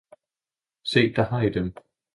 Se der har I dem!